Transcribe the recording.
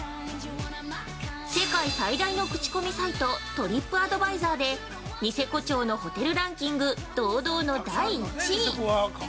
世界最大の口コミサイト「トリップアドバイザー」でニセコ町のホテルランキング、堂々の第１位！